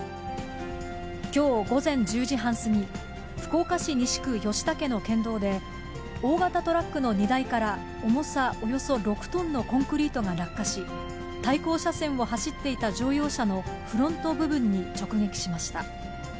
きょう午前１０時半過ぎ、福岡市西区吉武の県道で、大型トラックの荷台から重さおよそ６トンのコンクリートが落下し、対向車線を走っていた乗用車のフロント部分に直撃しました。